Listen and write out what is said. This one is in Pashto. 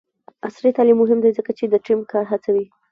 عصري تعلیم مهم دی ځکه چې د ټیم کار هڅوي.